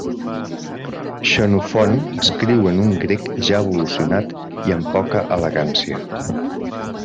Xenofont escriu en un grec ja evolucionat i amb poca elegància.